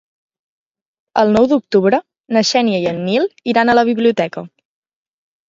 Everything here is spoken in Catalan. El nou d'octubre na Xènia i en Nil iran a la biblioteca.